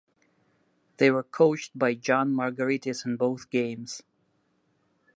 They were coached by John Margaritis in both games.